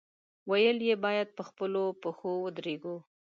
ویل یې، باید په خپلو پښو ودرېږو.